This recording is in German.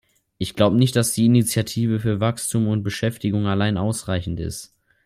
Ich glaube nicht, dass die Initiative für Wachstum und Beschäftigung allein ausreichend ist.